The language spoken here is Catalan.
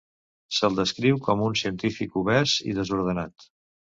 Se'l descriu com un científic obès i desordenat.